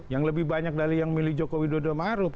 yang lebih banyak dari yang milih jokowi dodo maruf